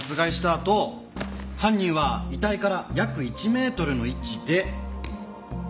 あと犯人は遺体から約１メートルの位置で。